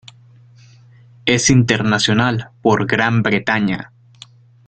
Es internacional por Gran Bretaña.